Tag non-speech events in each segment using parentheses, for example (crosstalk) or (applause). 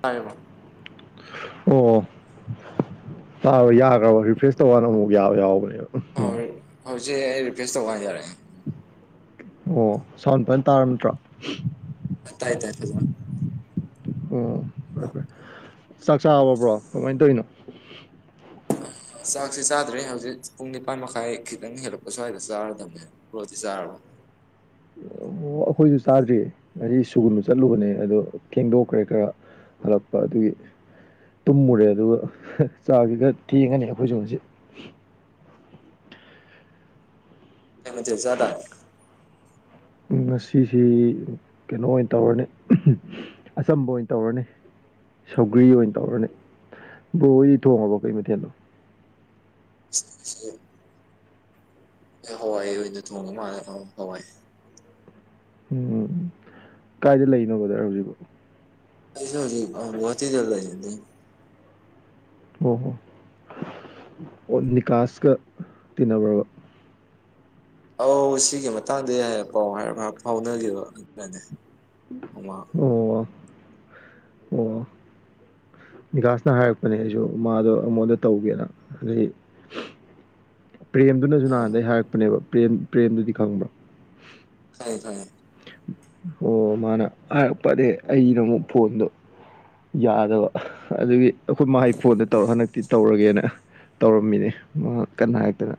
ꯇꯥꯏꯕ ꯑꯣ ꯇꯥꯕ ꯌꯥꯈ꯭ꯔꯕ ꯔꯤꯐ꯭ꯔꯦꯁ ꯇꯧꯀꯅ ꯑꯃꯨꯛ ꯌꯥꯕ ꯌꯥꯎꯕꯅꯦꯕ ꯎꯝ ꯍꯧꯖꯤꯛ ꯑꯩ ꯔꯤꯀ꯭ꯋꯦꯁ ꯇꯧꯕ ꯍꯥꯏꯖꯔꯛꯑꯦ ꯑꯣ ꯁ ꯐꯅ ꯇꯥꯔꯕꯝ ꯅꯠꯇ꯭ꯔꯣ ꯑ ꯇꯥꯏ ꯇꯥꯏꯂ ꯑꯣ ꯐꯔꯦ ꯐꯔꯦ ꯆꯥꯛ ꯆꯥꯕꯕ꯭ꯔꯣ ꯀꯃꯥꯏꯅ ꯇꯧꯔꯤꯅꯣ ꯑ ꯆꯥꯛꯁꯤꯦ ꯆꯥꯗ꯭ꯔꯦ ꯍꯧꯖꯤꯛ ꯄꯨꯡ ꯅꯤꯄꯥꯟ ꯃꯈꯥꯏ ꯈꯤꯇꯪ ꯍꯦꯜꯂꯛꯄ ꯁ꯭ꯋꯥꯏꯗ ꯆꯥꯔꯗꯝꯕꯅꯦ ꯄꯣꯠꯁꯤ ꯆꯥꯔꯕꯣ (unintelligible) ꯑꯣ ꯑꯩꯈꯣꯏꯁꯨ ꯆꯥꯗ꯭ꯔꯤꯌꯦ ꯑꯩ ꯁꯨꯒꯨꯟꯕ ꯆꯠꯂꯨꯕꯅꯦ ꯑꯗꯣ ꯊꯦꯡꯗꯣꯛꯈ꯭ꯔꯦ ꯈꯔ ꯍꯥꯂꯛꯞꯄ ꯑꯗꯨꯒꯤ ꯇꯨꯝꯃꯨꯔꯦ ꯑꯗꯨꯒ ꯆꯥꯁꯤꯒ ꯊꯦꯡꯉꯅꯤ ꯑꯩꯈꯣꯏꯁꯨ ꯍꯧꯁꯤ ꯀꯩꯅ ꯆꯦ ꯆꯦ ꯇꯔꯦ ꯉꯁꯤꯁꯤ ꯀꯩꯅꯣ ꯑꯣꯏꯅ ꯇꯧꯔꯅꯤ ꯑꯆꯝꯕ ꯑꯣꯏꯅ ꯇꯧꯔꯅꯤ ꯁꯧꯒ꯭ꯔꯤ ꯑꯣꯏꯅ ꯇꯧꯔꯅꯤ ꯕꯣꯏꯗꯤ ꯊꯣꯡꯉꯕꯣ ꯀꯩ ꯃꯊꯦꯜꯗꯣ ꯎꯝ ꯍꯣꯏꯋꯥꯏ ꯑꯩ ꯑꯣꯏꯅ ꯊꯣꯡꯉ ꯃꯥꯜꯂꯦ ꯍꯣꯏꯋꯥꯣꯏ ꯎꯝ ꯀꯥꯏꯗ ꯂꯩꯅꯣ ꯗꯔ ꯍꯧꯖꯤꯛꯐꯥꯎ ꯁꯨ ꯍꯧꯖꯤ ꯋꯥꯤ ꯆꯦꯜꯗꯥ ꯑꯣꯣ ꯍꯣ ꯑꯣ ꯅꯤꯀꯥꯁꯀ ꯇꯤꯟꯅꯕ꯭ꯔꯕ ꯑꯧ ꯁꯤꯒꯤ ꯃꯇꯥꯡꯗ ꯍꯥꯏꯦ ꯄꯥꯎ ꯍꯥꯏꯔ ꯐꯥꯎꯅꯈꯤꯕ ꯑꯗꯨꯅꯦ ꯑꯣ ꯑꯣ ꯕꯤꯀꯥꯁꯅ ꯍꯥꯏꯔꯛꯄꯅꯦ ꯑꯩꯁꯨ ꯃꯥꯗꯣ ꯑꯩꯉꯣꯟꯗ ꯇꯧꯒꯦꯅ ꯑꯗꯗꯒꯤ (unintelligible) ꯄ꯭ꯔꯦꯝꯗꯨꯅꯁꯨ ꯑ ꯅꯍꯥꯟꯗꯒꯤꯩ ꯍꯥꯏꯔꯛꯄꯅꯦꯕ ꯄ꯭ꯔꯦꯝ ꯄ꯭ꯔꯦꯝꯗꯨꯗꯤ ꯈꯪꯕ꯭ꯔ ꯇꯦ ꯑꯣ ꯃꯥꯅ ꯍꯥꯏꯔꯛꯄꯅꯦ ꯑꯩꯅ ꯑꯃꯨꯛ ꯐꯣꯟꯗꯣ ꯌꯥꯗꯕ ꯑꯗꯨꯒꯤ ꯑꯩꯈꯣꯏ ꯃꯍꯩ ꯐꯣꯟꯗ ꯇꯧꯔ ꯍꯟꯗꯛꯇꯤ ꯇꯧꯔꯒꯦꯅ ꯇꯧꯔꯝꯃꯤꯅꯦ ꯀꯟꯅ ꯍꯥꯏꯇꯅ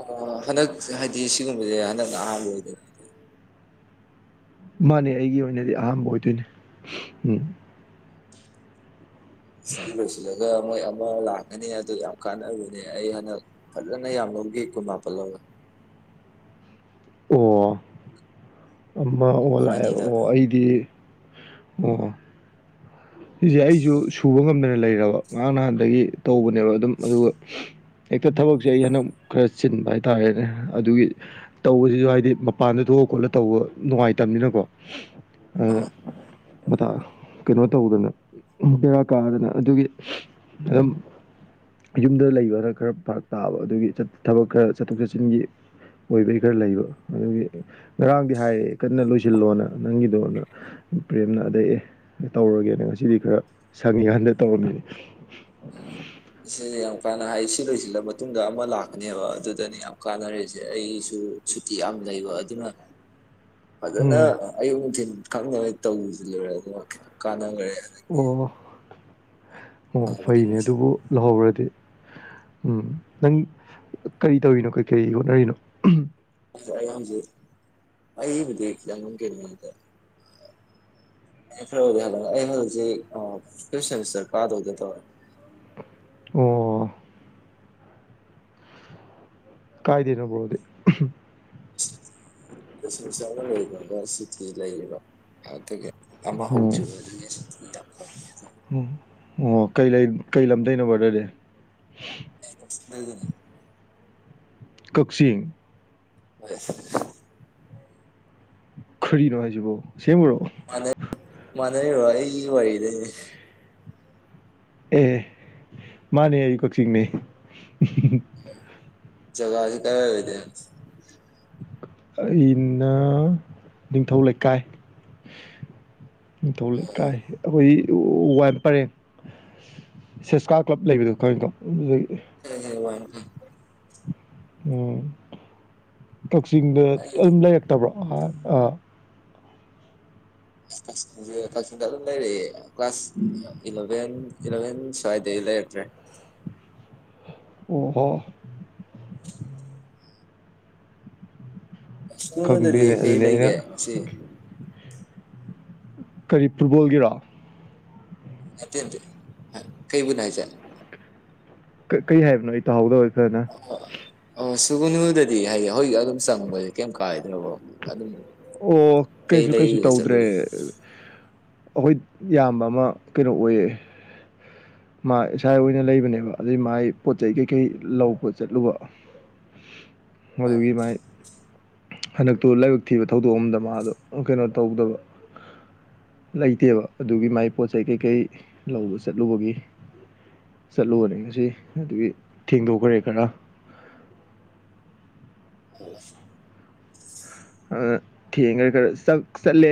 ꯑ ꯍꯟꯗꯛ ꯍꯥꯏꯗꯤ ꯁꯤꯒꯨꯝꯕꯁꯦ ꯍꯟꯗꯛꯅ ꯑꯍꯥꯟꯕ ꯑꯣꯏꯗꯣꯏ ꯃꯥꯅꯦ ꯑꯩꯒꯤ ꯑꯣꯏꯅꯗꯤ ꯑꯍꯥꯟꯕ ꯑꯣꯏꯗꯣꯏꯅꯦ ꯎꯝ ꯤꯁꯤ ꯃꯣꯏ ꯑꯃ ꯂꯥꯛꯀꯅꯤ ꯑꯗꯨ ꯌꯥꯝ ꯀꯥꯟꯅꯕꯅꯦ ꯑꯩ ꯍꯟꯗꯛ ꯐꯖꯅ ꯌꯥꯝ ꯂꯧꯈꯤ ꯀꯨꯟ ꯃꯥꯄꯜ ꯂꯧꯔ ꯑꯣ ꯑꯃ ꯑꯣ ꯄꯥꯎꯟ ꯂꯥꯛꯑꯦꯕ ꯑꯅꯤꯗ ꯑꯣ ꯑꯩꯗꯤ ꯑꯣ ꯁꯤꯁꯦ ꯑꯩꯁꯨ ꯁꯨꯕ ꯉꯝꯗꯅ ꯂꯩꯔꯕ ꯉꯍꯥꯡ ꯅꯍꯥꯟꯗꯒꯤ ꯇꯧꯕꯅꯦꯕ ꯑꯗꯨꯝ ꯑꯗꯨꯒ ꯍꯦꯛꯇ ꯊꯕꯛꯁꯦ ꯑꯩ ꯍꯟꯗꯛ ꯈꯔ ꯆꯤꯟꯕ ꯍꯥꯏꯇꯥꯔꯦꯅꯦ ꯑꯗꯨꯒꯤ ꯇꯧꯕꯁꯤꯁꯨ ꯍꯥꯏꯗꯤ ꯃꯄꯥꯟꯗ ꯂ ꯈꯣꯠꯂ ꯇꯧꯕ ꯅꯨꯡꯉꯥꯏꯇꯕꯅꯤꯅꯀꯣ ꯑꯗꯨꯅ ꯀꯩꯅꯣ ꯇꯧꯗꯅ ꯄꯦꯔꯥ ꯀꯥꯗꯅ ꯑꯗꯨꯒꯤ ꯑꯗꯨꯝ ꯌꯨꯝꯗ ꯂꯩꯕꯅ ꯈꯔ ꯐꯔꯛ ꯇꯥꯕ ꯑꯗꯨꯒꯤ ꯊꯕꯛ ꯈꯔ ꯆꯠꯊꯣꯛ ꯆꯠꯁꯤꯟꯒꯤ ꯑꯣꯏꯕꯩ ꯈꯔ ꯂꯩꯕ ꯑꯗꯨꯒꯤ ꯉꯔꯥꯡꯗꯤ ꯍꯥꯏꯔꯑꯦ ꯀꯟꯅ ꯂꯣꯏꯁꯤꯜꯂꯣꯅ ꯅꯪꯒꯤꯗꯣ ꯄ꯭ꯔꯦꯝꯅ ꯑꯗꯩꯑ ꯇꯧꯔꯒꯦꯅ ꯉꯁꯤꯗꯤ ꯈꯔ ꯁꯪꯉꯦꯀꯟꯗ ꯇꯧꯔꯝꯃꯤꯅꯤ ꯁꯤꯁ ꯌꯥꯝ ꯀꯥꯟꯅ ꯍꯥꯏ ꯁꯤ ꯂꯣꯏꯁꯤꯜꯂ ꯃꯇꯨꯡꯗ ꯑꯃ ꯂꯥꯛꯀꯅꯦꯕ ꯑꯗꯨꯗꯅꯤ ꯌꯥꯝ ꯀꯥꯟꯅꯔꯦꯁꯦ ꯑꯩꯁꯨ ꯑꯗꯨ ꯁꯨꯇꯤ ꯌꯥꯝ ꯂꯩꯕ ꯑꯗꯨꯅ ꯐꯖꯅ ꯎꯝ ꯑꯌꯨꯛ ꯅꯨꯡꯊꯤꯤꯟ ꯈꯪꯅꯕꯩ ꯇꯧꯁꯤ ꯂꯣꯏꯔꯦ ꯑꯗꯨꯒ ꯈꯤꯇꯪ ꯀꯥꯟꯅꯈ꯭ꯔꯦ ꯑꯗꯒꯤ ꯑꯣ ꯑꯣ ꯐꯕꯅꯦ ꯐꯩꯅꯦ ꯃꯣꯏꯁꯦ ꯑꯗꯨꯕꯨ ꯂꯧꯍꯧꯔꯗꯤ ꯎꯝ ꯅꯪ ꯀꯔꯤ ꯇꯧꯔꯤꯅꯣ ꯀꯩ ꯀꯔꯤ ꯍꯣꯠꯅꯔꯤꯅꯣ ꯑꯗ ꯑꯩꯌꯥꯝꯁ ꯑꯩꯕꯨꯗꯤ ꯈꯤꯇꯪ ꯉꯝ ꯀꯩꯅꯣꯉꯗ ꯐꯔꯂ ꯍ ꯇꯁꯟ ꯀꯥꯗꯗ ꯇ ꯑꯣ ꯀꯥꯏꯗꯅꯕꯣꯗꯤ ꯀꯁꯤꯡ ꯁꯔꯅ ꯂꯩꯕ꯭ꯔꯒ ꯁꯤꯇꯤ ꯂꯩ꯭ꯔꯣ ꯌꯥ ꯀꯃ ꯍꯧꯆ ꯑꯣ ꯎꯝ ꯑꯣ ꯀꯩ ꯀꯩ ꯂꯝꯗꯣꯏꯩꯅꯣꯕꯗꯗꯤ ꯂꯩꯗꯅ ꯀꯛꯆꯤꯡ ꯍꯣꯏ ꯈꯔꯤ ꯅꯣꯏꯖꯕꯨ ꯃꯅ ꯃꯅꯔꯤꯔꯣ ꯑꯩ ꯋꯥꯔꯤꯗ ꯑꯦ ꯃꯥꯅꯦ ꯑꯩ ꯀꯛꯆꯤꯡꯅꯦ ꯆꯒꯁꯤ ꯀ ꯑꯣꯏꯗ ꯑꯩꯅ ꯅꯤꯡꯊꯧ ꯂꯩꯀꯥꯏ ꯊꯣꯛꯧꯂ ꯀꯥꯏ ꯑꯩꯈꯣꯏ ꯋꯥ ꯄꯔꯦ ꯁꯦꯁꯀꯥ ꯀ꯭ꯂꯕ ꯂꯩꯕꯗꯣ ꯀꯣ ꯇꯣ ꯀ ꯋꯥꯏ (inaudible) ꯎꯝ ꯀꯛꯆꯤꯡꯗ ꯑꯩ ꯑꯗꯨꯝ ꯂꯩꯔꯛꯇꯕ꯭ꯔꯣ ꯑ ꯛꯆꯁꯦ ꯀꯛꯆꯤꯡꯗ ꯑꯗꯨꯝ ꯂꯩꯔꯦ ꯀ꯭ꯂꯥꯁ ꯏꯂꯚꯦꯟ ꯏꯂꯚꯦꯟ ꯁ꯭ꯋꯥꯏ ꯁꯨꯋꯥꯏ ꯗꯩꯩ ꯂꯩꯔꯛꯇ꯭ꯔꯦ ꯎꯍꯣ ꯑꯁ ꯇꯨꯅꯗꯗꯤ ꯈꯪꯗꯦꯅꯦ ꯀꯩ ꯑꯗꯨꯅꯦ ꯑꯩꯅ ꯂꯩꯒꯦ ꯁꯤ ꯀꯔꯤ ꯐꯨꯠꯕꯣꯜꯒꯤꯔꯣ ꯅꯠꯇ ꯅ ꯀꯩꯕꯨꯅꯥꯏ ꯆꯦ ꯀꯔꯤ ꯍꯥꯏꯕꯅꯣ ꯑꯩ ꯇꯥꯍꯧꯗꯕꯣꯏ ꯐꯖꯅ ꯑꯣ ꯁꯨꯒꯨꯅꯨꯗꯗꯤ ꯍꯥꯏꯌꯦꯗꯤ ꯍꯧꯖꯤꯛ ꯑꯗꯨꯝ ꯆꯪꯕꯁꯦ ꯀꯩꯝ ꯀꯥꯏꯗ꯭ꯔꯕꯣ ꯑꯗꯨꯝ ꯑꯣ ꯀꯩ ꯀꯩꯁꯨ ꯀꯩꯁꯨ ꯂꯩꯔꯤꯒꯦ ꯇꯧꯗ꯭ꯔꯦ ꯆꯠꯂꯨꯏ ꯑꯩꯈꯣꯏ ꯌꯥꯝꯕ ꯑꯃ ꯀꯩꯅꯣ ꯑꯣꯏꯌꯦ ꯃꯥ ꯏꯁꯥ ꯑꯣꯏꯅ ꯂꯩꯕꯅꯦꯕ ꯑꯗꯨꯏ ꯃꯥꯒꯤ ꯄꯣꯠ ꯆꯩ ꯀꯩꯀꯩ ꯂꯧꯕ ꯆꯠꯂꯨꯕ (unintelligible) (inaudible) ꯃꯣꯏꯗꯨꯒꯤ ꯃꯥꯏ ꯍꯟꯗꯛꯇꯨ ꯂꯥꯏꯕꯛ ꯊꯤꯕ ꯊꯧꯗꯣꯛ ꯑꯝꯗ ꯃꯥꯗꯣ ꯀꯩꯅꯣ ꯇꯧꯗꯕ ꯂꯩꯇꯦꯕ ꯑꯗꯨꯒꯤ ꯃꯥꯏ ꯄꯣꯠ ꯆꯩ ꯀꯩꯀꯩ ꯂꯧꯕ ꯆꯠꯂꯨꯕꯒꯤ ꯆꯠꯂꯨꯕꯅꯦ ꯉꯁꯤ ꯑꯗꯨꯒꯤ ꯊꯦꯡꯗꯣꯛꯈ꯭ꯔꯦ ꯈꯔ (unintelligible) (inaudible) ꯑ ꯊ ꯈꯔ (inaudible)